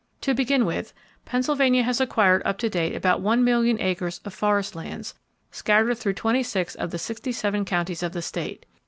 To begin with, Pennsylvania has acquired up to date about one million acres of forest lands, scattered through 26 of the 67 counties of the state.